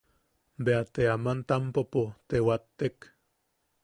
Bea te aman taampapo te wattek.